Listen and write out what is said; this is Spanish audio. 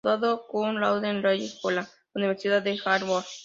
Graduado cum laude en Leyes por la Universidad de Harvard.